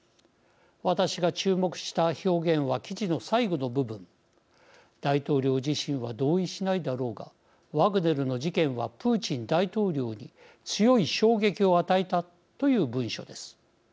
私が注目した表現は記事の最後の部分大統領自身は同意しないだろうがワグネルの事件はプーチン大統領に強い衝撃を与えたという文章です。